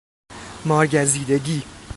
مار گزیدگی